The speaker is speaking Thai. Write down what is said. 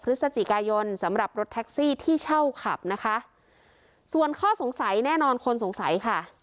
พฤศจิกายนสำหรับรถแท็กซี่ที่เช่าขับนะคะส่วนข้อสงสัยแน่นอนคนสงสัยค่ะ